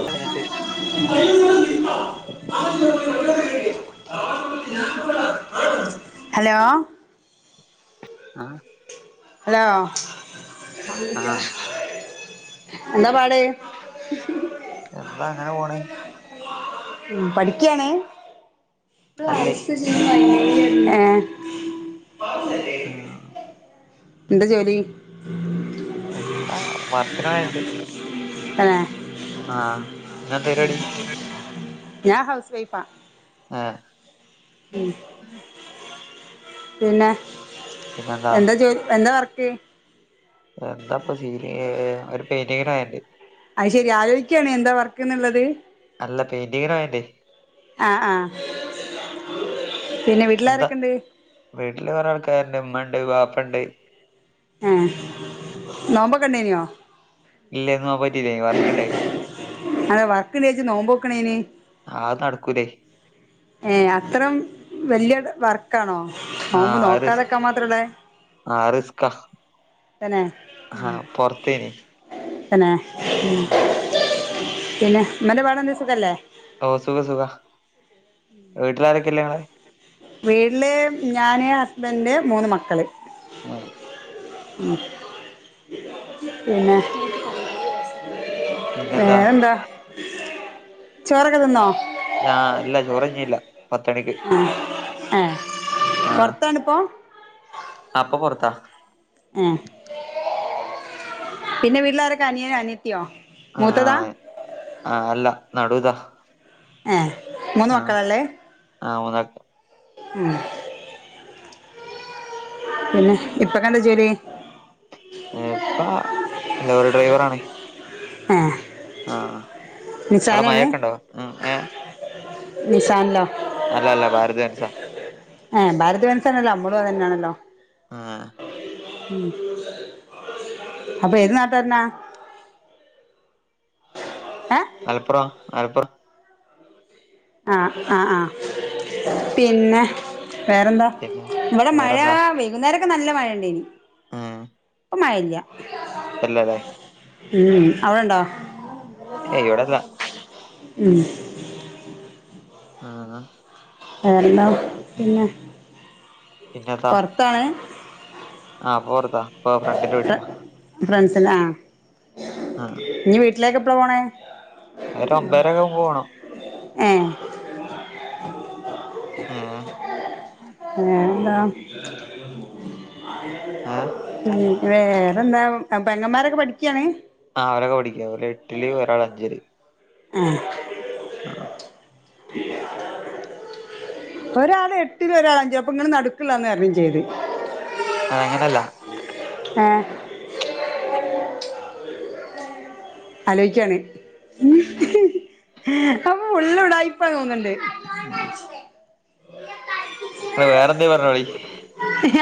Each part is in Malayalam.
പതിനെട്ട് ആരാ? ഹലോ ആഹ് ഹലോ ആഹ് ന്ത എന്താ അങ്ങനെ പോണേ ഉം പഠിക്കാണ് അല്ലേ [unintelligible] ഏ ആഹ് എന്താ ജോലി എന്താ വർക്കിന്‌ വരുന്നുണ്ട് തന്നേ ആ ഇങ്ങളെന്താ പരുപാടി ഞാൻ ഹൗസ് വൈഫാ ആഹ് പിന്നെ പിന്നെന്താ എന്താ ജോ എന്താ വർക്ക് എന്താ ഇപ്പൊ ചെയ്യല് ഒരു പെയിന്റിങ്ങിന്റെ പണിയുണ്ട് അത് ശെരി ആലോചിക്കയാണ് എന്താ വർക്കെന്നുള്ളത് അല്ല പെയിന്റിങ്ങിന്റെ പണിയുണ്ടേ ആഹ് ആഹ് പിന്നെ വീട്ടിലാരൊക്കെയുണ്ട് വീട്ടിൽ ഉമ്മായുണ്ട് വാപ്പയുണ്ട് ആ നോമ്പൊക്കെ ഉണ്ടായിനോ ഇല്ല ഇന്ന് നോമ്പ് നോറ്റിയില്ല വർക്കുണ്ടായി അതേ വർക്കുണ്ടേച്ച് നോമ്പ് നോക്കണേന് അത് നടക്കൂലേ ഏ അത്രം വല്യ വർക്കാണോ നോമ്പ് ആഹ് അത് റിസ്ക് നോക്കാതിരിക്കാൻ മാത്രവുള്ളേ ആഹ് റിസ്കാ തന്നെ ആഹ് പൊറത്തേനി ഉം ആഹ് പിന്നെ ഉമ്മാന്റെ [unintelligible] സുഖവല്ലേ ഓഹ് സുഖം സുഖം വീട്ടില് ആരൊക്കെ ഉള്ളേ നിങ്ങളെ വീട്ട്ല് ഞാന് ഹസ്ബൻ്റ് മൂന്ന് മക്കള് ആഹ്. ഉം പിന്നെ. പിന്നെന്താ വേറെന്താ, ചോറൊക്കെ തിന്നോ? ഞാ ഇല്ല ചോറ് [unintelligible] പത്ത് മണിക്ക് ആ ഏ ആഹ് പൊറത്താണിപ്പോ ആഹ് ഇപ്പൊ പൊറത്താ ഏഹ് പിന്നെ വീട്ടില് ആരൊക്കെ അനിയ അനി ആഹ് അതല്ല നടു ഇതാ ഏഹ് മൂന്ന് മക്കള ഉള്ളെ. ആ മൂന്ന് മക്ക ഉ പിന്നെ ഇപ്പൊക്കെഎന്താ ജോലി ഇപ്പാ ലോറി ഡ്രൈവറ ആണേ ആ ആ അവിടെ മഴൊക്കെ ഉണ്ടോ ഉ ഏ നിശാല അല്ല അല്ല ഭാരത് ബെൻസ ഏ ഭാരത വൻസനല്ലോ അമ്മളുവ തന്നാണല്ലോ ആഹ ഉ അപ്പൊ ഏത് നാട്ടന്നാ മലപ്പുറം ആലപ്പുറം ആഹ ആഹ് ആഹ പിന്നെ വേറെന്താ പിന്നെ ഇവിടെ മഴ വേറെന്താ വൈകുന്നേരൊക്കെ നല്ല മഴ ഉണ്ട ഇനി ഒപ്പ ആല്ല പല്ലല്ലേ ഉം അവിടെണ്ടോ ഏ ഇവിടെല്ലാ ഉ ആഹ് എന്താ പിന്നെ പൊറത്താണ് ആഹ് പൊറത്താ ഇപ്പൊ ഫ്രണ്ടിന്റെ വീട്ടിലാ ഫ്രണ്ട്സിന ആ നീ വീട്ടിലേക്ക് എപ്പള പോണേ അര ഒമ്പരൊക്കെ മുമ്പ് പോണം ഏ ആഹ എന്താ ഏ വേറെ എന്താ പെങ്ങന്മാരൊക്കെ പഠിക്കുകയാണ് ആ അവരൊക്കെ പഠിക്ക അവര് എട്ടില് ഒരാൾ അഞ്ചല് ആഹ ആഹ [unintelligible] ഒരാൾ എട്ടില ഒരാൾ അഞ്ച അപ്പൊ ഇങ്ങനെ നടടുക്കില്ലന്ന് കണംയും ചെയ്ത് ആ അങ്ങനെയല്ല ആ ആലോചിക്കാണ് അപ്പൊ ഉള്ളടെ അയിപ്പ തോന്നുന്നുണ്ടേ ഉം ആ വേറെന്ത പറഞ്ഞോളി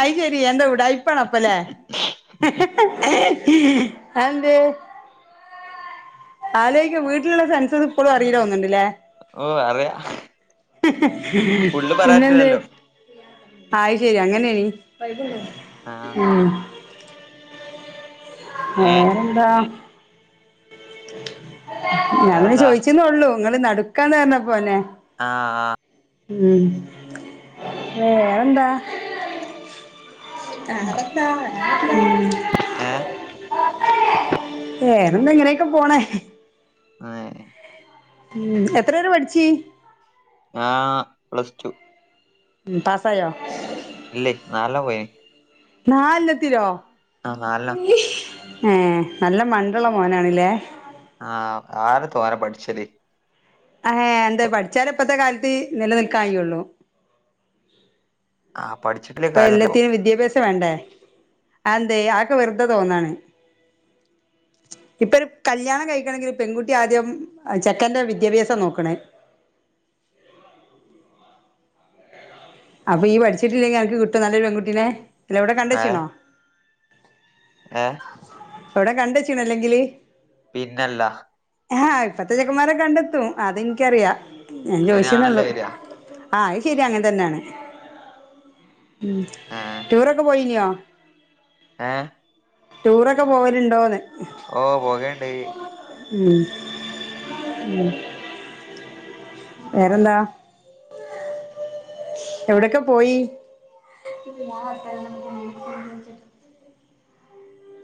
അയി ശരി എന്ത ഉടായിപ്പ് ഇപ്പണ അപ്പല്ലേ അന്ത ആലൊക്കെ വീട്ടിലുള്ള സ പ്പോലും അറിയല ഒന്നണ്ടല്ലേ ഓ അറിയാ ഫുള്ള് പറയാൻ പിന്നെന്ത പറ്റൂലല്ലോ ആായ് ശരി അങ്ങനെയണീ ആഹ് ഉ ഏഹ് വേറെന്താ ഞ വേറെന്താ ചോയിചന്ന ഉള്ളു നിങ്ങള്ൾ നടുക്കാന്ന് പറഞ്ഞപ്പോന്നെ ആഹ് ഉം വേറെന്താ ആ [unintelligible] വേറെന്താ എങ്ങനെയൊക്കെ പോണേ ആഹ ഉം എത്ര വരേ പഠിച്ച് ആഹ് പ്ലസ് ടു ഉം പാസായോ ഇല്ലേ നാൽണം പോയേ നാല്ന്നത്തിലോ നാലിലാ ഏഹ് നല്ല മണ്ട്ള്ള മോനാണല്ലേ ആഹ് ആര് തോനെ പഠിച്ചല് ആഹ് എന്താ പഠിച്ചാലെപ്പത്തെക്കാലത്ത് നിലനിൽക്കായുള്ളു ആഹ് പഠിച്ചിട്ടില്ലേ ഇപ്പൊ കാര്യല്ലോ എല്ലാത്തിനും വിദ്യാഭ്യാസം വേണ്ടേ ആന്തേയ് ആക്കെ വെറുതെ തോന്നാണ് [inaudible] ഇപ്പൊ ഒരു കല്യാണം കഴിക്കണെങ്കില് പെങ്കുട്ടി ആദ്യം ചെക്കൻന്റെ വിദ്യാഭ്യാസ്സാ നോക്കണേ [inaudible] അപ്പൊ ഈ പഠിച്ചിട്ടില്ലെങ്കി അനിക്ക് കിട്ടോ നല്ലൊരു പെങ്കുട്ടീനെ അല്ല എവിടെ ഏഹ് കണ്ട്ച്ചീണോ ഏഹ് എവിടെ കണ്ടച്ചീണ് അല്ലെങ്കില് പിന്നല്ല ആഹ് ഇപ്പത്തെ ചെക്കന്മാര് കണ്ടെത്തും അതിൻക്കറിയാ ഞാൻ അങ്ങനെയാണല്ലോ ചോയിച്ചെന്നേഒള്ളു വരാ ആ അയ് ശെരിയാ അങ്ങൻത്തന്നാണ് ഉം ഏഹ് ടൂറൊക്കെ പോയിനിയോ ഏഹ് ടൂറൊക്കെ പോവലുണ്ടോന്ന് ഓ പോകേണ്ട് ഉം ഉം വേറെന്താ എവിടൊക്കെ പോയി [unintelligible]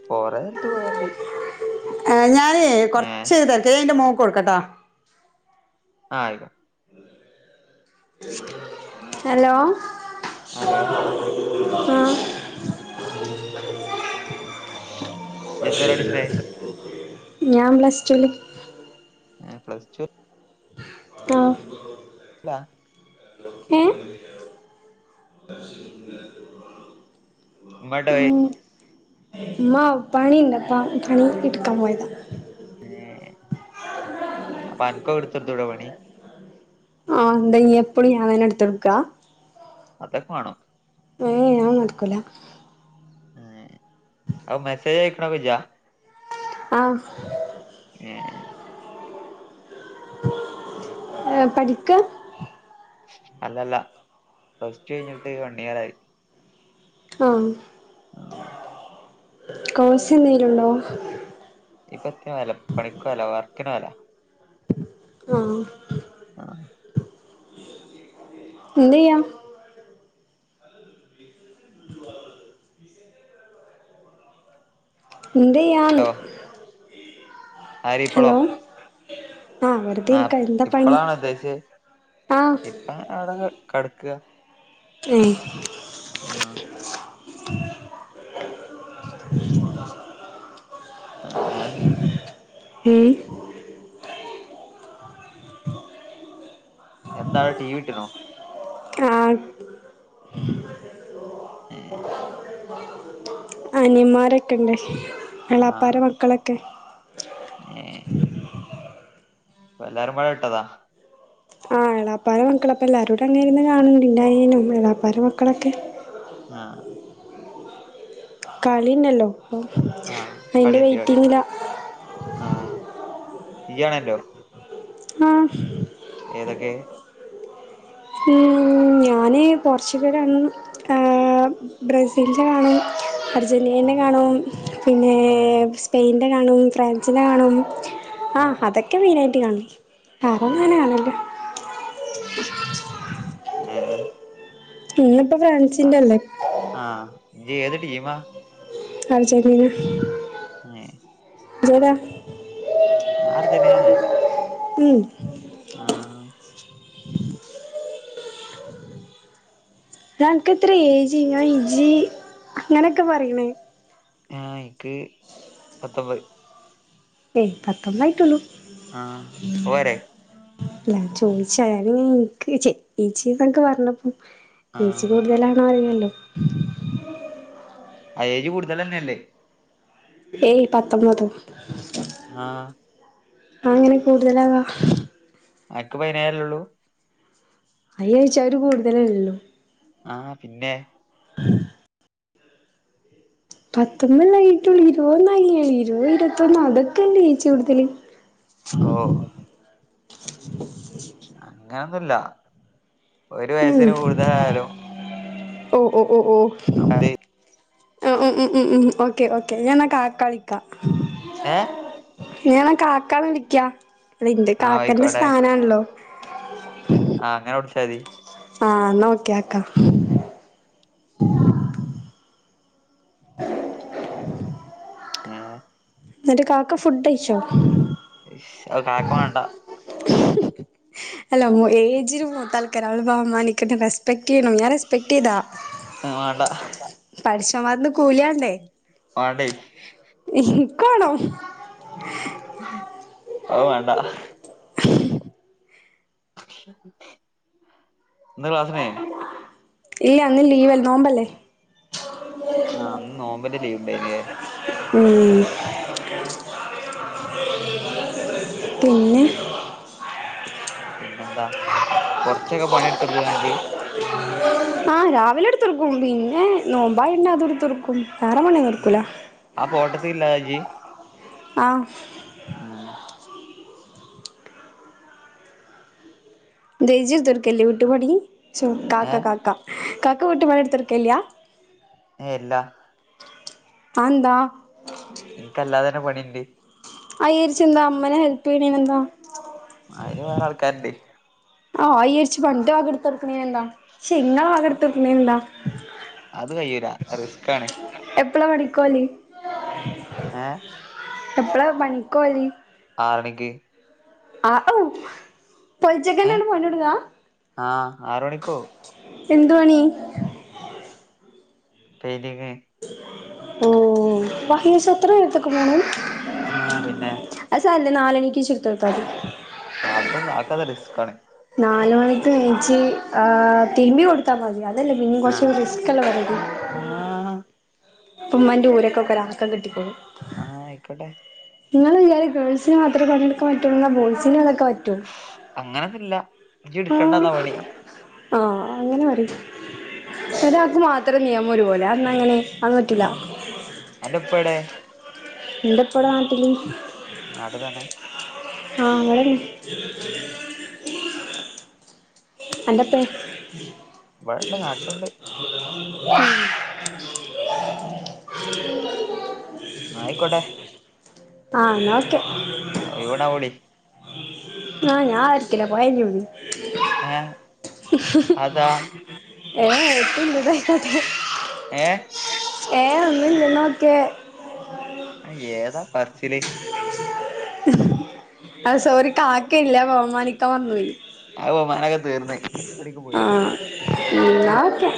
കൊറേൽത്ത് പോയണ്ട് ഏ ഞാനേ കൊർച്ച് തിരക്കിലാ ൻ്റെ മോക്ക് കൊടുക്കാട്ടാ ആ ആയി ഹലോ ഹലോ ആഹ് ആ നീഎത്രേലാടിച്ചണേ ഞാം പ്ലസ്സ്ടൂല് ആഹ് പ്ലസ്ടുവാ ആ പാ ഏ ഉമ്മേടെകയ്യ് മാ പണിണ്ട്പ്പാ പണിയ് എടുക്കാമ്പോയതാ ഏ അപ്പൊ അൻക്കോ എടുത്തൊടുത്തൂടെ പണി ആഹ് ന്തയിനിയെപ്പളും ഞാൻ വേനെടുത്തൊടുക്കാ അതൊക്കെ വേണോ ഏ ഞാൻ നടക്കൂല ഏ അപം മെസ്സേജയ്ക്കണപ ഇജ്ജാ ആഹ് ഏ പഠിക്കാ അല്ലല്ല പ്ലസ് ടു കഴിഞ്ഞിട്ട് വൺ ഇയർ ആയി ആഹ് കോൽസ്ന്നേരുണ്ടോ കിടാല്ല ആഹ് ആഹ് എന്ത്യ്യാ നിന്റയാണ് ഓ ആര് ഇപ്പളോ ആഹ് വെറുതെ ആ ഇരിക്ക എന്താ പണി ഇപ്പളാണ് ഉദ്ദേശ് ആഹ് ഇപ്പ അടെ ക കട്ക്ക മ് ആ [unintelligible] മ് എന്താടെ ടീവിട്ട്ണോ ആ [unintelligible] അൻയമ്മാരൊക്കെണ്ട് ആ എളാപ്പാര മക്കളൊക്കെ ഏ ഇപ്പല്ലാരുംമ്പാടാ ഇട്ടതാ ആഹ് എളാപ്പാരെ മക്കളൊക്കെല്ലാരുടങ്ങര്ന്ന് കാണ് ണ് [unintelligible] ഇന്റനിയനും എളാപ്പാരെ മക്കളൊക്കെ ങ്ങ കളിനെല്ലോ ആ കളിണ്ട് കളിണ്ട് ആ ഇയ്യാണല്ണ്ടോ ആഹ് ഏതൊക്കെ മ് ഞാന് പോർച്ച്ഗലാണും [unintelligible] ബ്രസീൽൻ്റെ കാണും അർജന്റീനന്റെ കാണും പിന്നെ സ്പെയ്ന്റെ കാണും ഫ്രാൻസിന്റെ കാണും ആ ആഹ് അതൊക്കെ മെയ്നായിട്ട് കാണൽ ഹാ ഏ [inaudible] ഏ ഇന്ന്പ്പോ ഫ്രാൻസിന്റല്ലേ ഇജേത് ടീമാ അർജന്റീന [unintelligible] [inaudible] ഞാൻ അർജെന്റിനെന്നെ മ് ആ [inaudible] ടാ അന്ക്കത്തറെ എജ് [unintelligible] ഇജ്ജ് അങ്ങനെക്കെ പറയിണ് ആ ഇൻക്ക് പത്തൊമ്പത് ഏയ് പത്തൊമ്പയിട്ടുള്ളു ആഹ് അവോരെ അല്ല ഞാൻ ചോദിച്ചാ [unintelligible] ഇൻക്ക് ചെ ഇജ്ജ്ന്നക്കെ പറഞ്ഞപ്പോ ആ ഏച് കൂടുതലാണോറീണല്ലോ അഏജ്‌ കൂടുതലന്നെല്ലേ ഏയ് പത്തൊമ്പതോ ആ അങ്ങനെ കൂടുതലാക അന്ക്ക് പൈനേയെല്ലെള്ളൂ അയ്യാര്ച്ച് അഒരു കൂടുതലല്ലലോ ആഹ് പിന്നെ പത്തൊമ്പല്ലായിട്ടുള്ളൂ ഇരുവൊന്നും ആയില [inaudible] ഇരുവ് ഇരോത്തൊന്ന് അതൊക്കെല്ലേ ഏയ്ജ് ഊട്തൽ ഓ അങ്ങനൊന്നുംല്ല ഒരു ഉം വയസന് കൂടുതലായാലും ഓ ഓ ഓ ഓ ഉ നമ്മള് ഉം ഉം ഉം ഉ ഓക്കേ ഓക്കേ ഞാൻാ കാക്ക വിളിക്കാം ഏ ഞണ കാക്കള വിളിക്ക അന്റെ ആ കാക്കന്റെ സ്ഥാനാണല്ലോ ആഹ അങ്ങനെ വിളിച്ചാ മതി ആഹ് നോക്കിയക്കാ ആഹ എന്നിട്ട് കാക്ക ഫുഡ് അയിച്ചോ കാക്ക വേണ്ട ഹ് ഹ് അല്ല യേജിന് മൂത്താ ആൾ ക്കറ അവുമ്പോ റെസ്പെക്ട് ചെയ്യണം ഞൻറെസ്പെക്ട് ചെയ്താ ആ മാണ്ട പഠിച്ചശമാന്ന് കൂലിയണ്ടേ മാണ്ട ഇന്ക് മാണം അ വേണ്ടാ ന്ന് ക്ലാസ്സ്‌ ഉണ്ടായിരുന്നോ ഇല്ല അന്ന് ലീവല്ല നോമ്പല്ലേ ആഹ അന്ന് നോമ്പല ലീവ് ഉണ്ടായിനേ ഉ പിന്നെ പിന്നെ ന്താ കൊറച്ചൊക്കെ പണിയെടുത്ത്ടുത്തു അനക് ആഹ് രാവിലെ എടുത്ത്റക്കും പിന്നെ നോമ്പായി ഉണ്ട അതും എടുത്ത്റക്കും ആ ഫോട്ടത്തിൽ ഉള്ളടണോ ഇജ് ആഹ് ആഹ ജജി ദൊർക്കല്ലി വിട്ടുപടി ഏ കാാക്ക കാാക്ക കക്ക വട്ട് വള എടുത്ത്രുക്ക ഇല്ലയാ ഏല്ലാ അതെന്താ നിനക്ക്ല്ലാതെ തന്നെ പണിയുണ്ട് അയചരിച്ച എന്താ അമ്മനെ ഹെൽപ് ചെയ്യണേന് എന്താ അതിന് വേറെ ആൾക്കാരുണ്ട് ആഹ ഇരിച്ച പണ്ട് അകെടുത്തടുക്കണ എന്താ ശെങ്ങ അ- ആകെടുത്തടുക്കണ എന്താ അത് കയൂരാ റിസ്ക്ാണ് എപ്പള പണിക്ക് പോവൽ ഏ എപ്പളാ പണിക്കോലി ആറു മണിക്ക് ആ ഓ പോയി ഏ ചെക്കനോട് പോന്നിടുതാ ആ ആറ് മണിക്കോ എന്ത് പണി പേതിക്ക് വയസ് എത്ര പേരത്തൊക്കെ പോണം ആഹ പിന്നെ അല്ലെ നാലണിക്ക് ചുരുത്തിൽക്കാതി അതന്നന്ന് ആക്കാതെ രിസ്ക് കാണി നാല മണിക്ക് നീച്ചു തിരുമ്പി കൊടുത്താൽ മതി ഇതല്ലേ പിന്നേം ആ കൊറച്ചു റിസ്ക് ഒള്ള ആ ആ [unintelligible] ഇപ്പ ഉമ്മാന്റെ ഊരൊക്കെ [unintelligible] ആഹ് ആയിക്കോട്ടെ. നിങ്ങള വിചാരം ഗേൾസിന് മാത്രേ പണിയെടുക്കാൻ പറ്റുള്ളൂന്നാ ബോയ്സിന് [unintelligible] അങ്ങന ഒന്നില്ല ഇജ്ജ് എടുക്കണ്ട ആഹ് എന്നാ പണി ആഹ് അങ്ങനെ പറയ് ഒരാക്ക് മാത്രം നിയമം ഒരുപോലെ അതെന്താ അങ്ങനെ അത് പറ്റൂല ആഹ് അന്റെ ഉപ്പ എവിടെ എന്റെ ഉപ്പ ഇവിടെ നാട്ടില് നാട്ടി തന്നെ ആഹ് ഇവിടേ [unintelligible] അന്റെ ഉപ്പേ? ഇവിടെണ്ട് നാട്ടിലുണ്ട് ഉം. എന്നാ ആയിക്കോട്ടെ ആഹ് എന്നാ [unintelligible] ആഹ് ഇവടെ വിളി ആഹ് ഞാൻ ആര്ക്കില്ല പോയഞ്ഞൂ [unintelligible] ഏ അതാ ഏഹ് എത്തുല്ല [unintelligible] ഏഹ്? ഏഹ് ഒന്നുല്ല ന്നോക്കേ ആഹ് ഏതാ പർച്ചില്. ആ സോറി കാക്കല്ലേ ബഹുമാനിക്കാൻ മർന്നോയി. അഹ് ഓഹ് ആഹ് ന്ന ഓക്കെ